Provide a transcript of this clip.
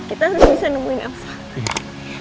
iya elsa harus selamat